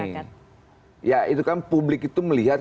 ya itu kan publik itu melihat